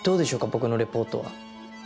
僕のレポートは。